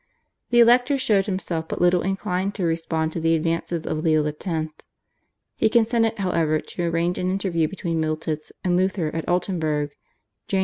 The Elector showed himself but little inclined to respond to the advances of Leo X. He consented, however, to arrange an interview between Miltitz and Luther at Altenburg (Jan.